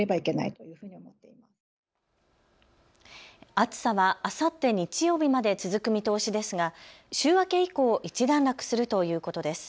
暑さはあさって日曜日まで続く見通しですが週明け以降、一段落するということです。